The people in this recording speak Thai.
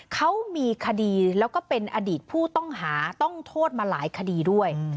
เขามีคดีแล้วก็เป็นอดีตผู้ต้องหาต้องโทษมาหลายคดีด้วย